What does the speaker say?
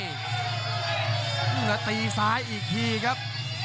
แล้วตีซ้ายอีกทีครับ